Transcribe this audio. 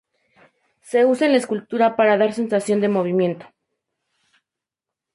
Se usa en la escultura para dar sensación de movimiento.